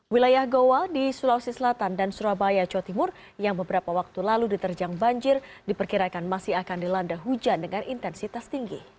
wilayah goa di sulawesi selatan dan surabaya jawa timur yang beberapa waktu lalu diterjang banjir diperkirakan masih akan dilanda hujan dengan intensitas tinggi